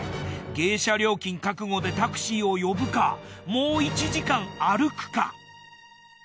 迎車料金覚悟でタクシーを呼ぶかもう１時間歩くか。